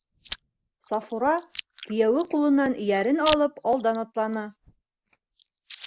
— Сафура, кейәүе ҡулынан эйәрен алып, алдан атланы.